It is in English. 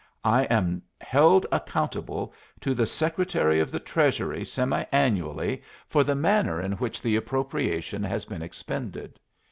I am held accountable to the Secretary of the Treasury semiannually for the manner in which the appropriation has been expended.